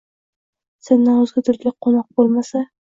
Sendan o’zga dilga qo’noq bo’lmasa!